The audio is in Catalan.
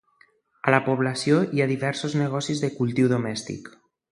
A la població, hi ha diversos negocis de "cultiu domèstic".